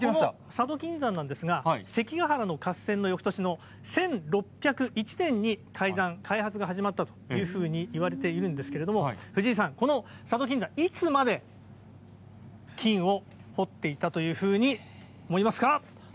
佐渡金山なんですが、関ヶ原の合戦のよくとしの１６０１年に開山、開発が始まったというふうにいわれているんですけれども、藤井さん、この佐渡金山、いつまで金を掘っていたというふうに思いますか。